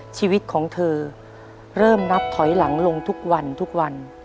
ชีวิตของเธอเริ่มนับถอยหลังลงทุกวันทุกวัน